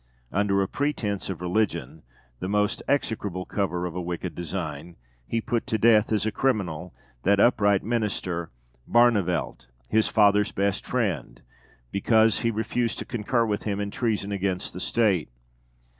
Under a pretence of religion (the most execrable cover of a wicked design) he put to death, as a criminal, that upright Minister, Barneveldt, his father's best friend, because, he refused to concur with him in treason against the State.